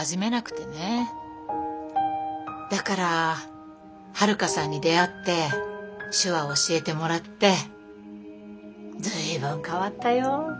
だから遥さんに出会って手話教えてもらって随分変わったよ。